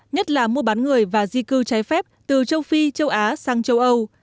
nhất là mua bán người và di cư trái phép từ châu phi châu á sang châu âu